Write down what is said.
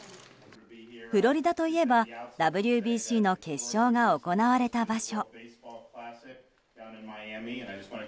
フロリダといえばＷＢＣの決勝が行われた場所。